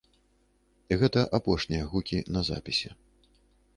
Гэта апошнія гукі на запісе.